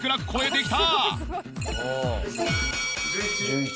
１１。